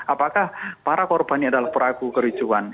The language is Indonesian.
apakah para korbannya adalah peraku kericuan